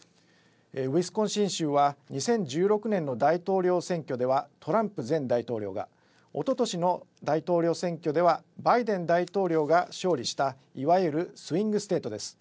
ウィスコンシン州は２０１６年の大統領選挙ではトランプ前大統領が、おととしの大統領選挙ではバイデン大統領が勝利したいわゆるスイング・ステートです。